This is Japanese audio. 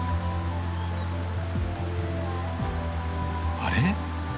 あれ？